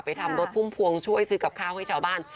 ทำรถพุ่มพวงช่วยซื้อกับข้าวให้ชาวบ้าน